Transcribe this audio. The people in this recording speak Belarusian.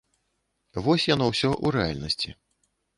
Вось яно усё ў рэальнасці.